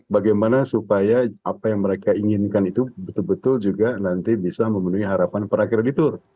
bagaimana supaya apa yang mereka inginkan itu betul betul juga nanti bisa memenuhi harapan para kreditur